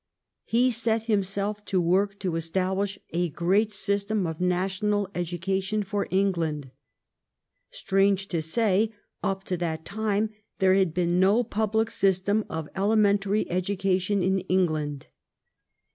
He set himself to work to establish a great system of national edu cation for England. Strange to say, up to that time there had been no public system of element ary education in England.